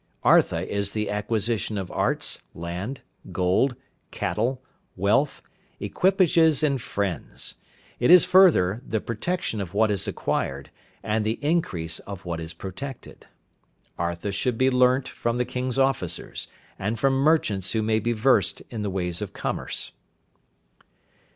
Artha is the acquisition of arts, land, gold, cattle, wealth, equipages and friends. It is, further, the protection of what is acquired, and the increase of what is protected. Artha should be learnt from the king's officers, and from merchants who may be versed in the ways of commerce.